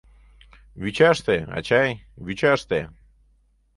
— Вӱчаште, ачай, вӱчаште.